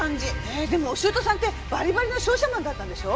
えっでもお舅さんってバリバリの商社マンだったんでしょ？